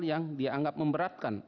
yang dianggap memberatkan